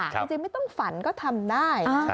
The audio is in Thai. จริงไม่ต้องฝันก็ทำได้